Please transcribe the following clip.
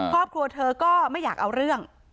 ครอบครัวเธอก็ไม่อยากเอาเรื่อง